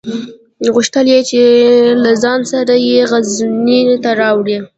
غوښتل یې چې له ځان سره یې غزني ته راولي.